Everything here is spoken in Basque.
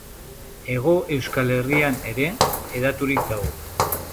Hego Euskal Herrian ere hedaturik dago.